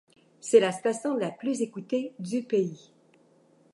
C'est la station la plus écoutée du pays.